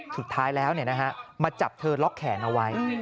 สุดท้ายแล้วมาจับเธอล็อกแขนเอาไว้